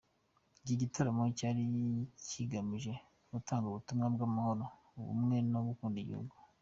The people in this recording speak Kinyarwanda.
Iki gitaramo cyari kigamije gutanga ubutumwa bw’amahoro, ubumwe no gukunda igihugu.